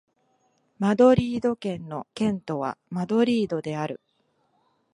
マドリード県の県都はマドリードである